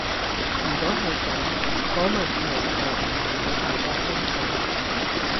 如果係噉，個問題就唔係喺大家身上